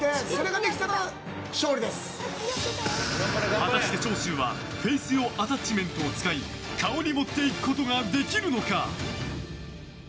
果たして長州はフェイス用アタッチメントを使い顔に持っていくことができるのか？